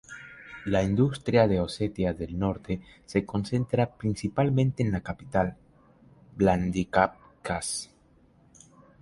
La industria de Osetia del Norte se concentra principalmente en la capital, Vladikavkaz.